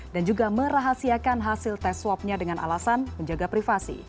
dan juga merahasiakan hasil tes swabnya dengan alasan menjaga privasi